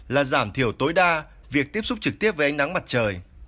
là giảm thiểu tối đa việc tiếp xúc trực tiếp với ánh nắng mặt trời